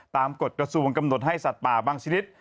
กฎกระทรวงกำหนดให้สัตว์ป่าบางชนิด